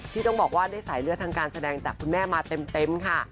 ที่ต้องบอกว่าได้สายเลือดทางการแสดงจากคุณแม่มาเต็มค่ะ